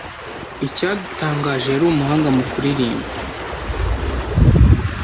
Icyadutangaje, yari umuhanga mu kuririmba.